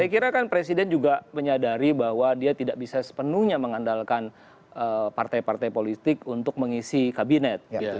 saya kira kan presiden juga menyadari bahwa dia tidak bisa sepenuhnya mengandalkan partai partai politik untuk mengisi kabinet